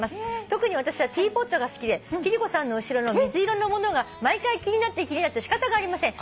特に私はティーポットが好きで貴理子さんの後ろの水色のものが毎回気になって気になって仕方がありません」